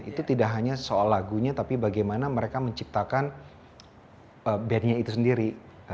itu tidak hanya soal lagunya tapi bagaimana mereka menciptakan bandnya itu sendiri